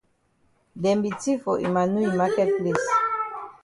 Dem be tif for Emmanu yi maket place.